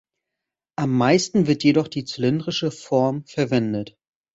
Am meisten wird jedoch die zylindrische Form verwendet.